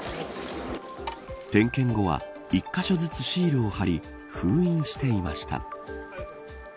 点検後は一か所ずつシールを貼り封印していました。